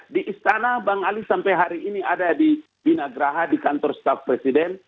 di istana bang ali sampai hari ini ada di binagraha di kantor staff presiden